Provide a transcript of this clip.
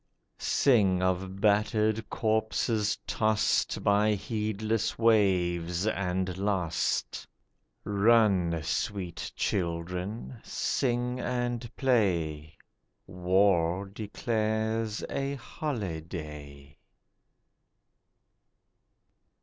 Sing of battered corpses tossed By the heedless waves, and lost. Run, sweet children, sing and play; War declares a holiday.